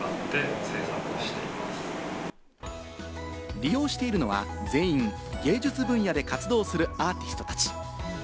利用しているのは全員、芸術分野で活動するアーティストたち。